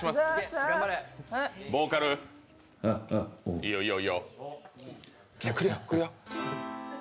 いいよ、いいよ。